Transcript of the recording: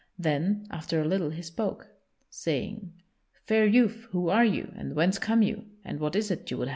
Then, after a little, he spoke, saying: "Fair youth, who are you, and whence come you, and what is it you would have of me?"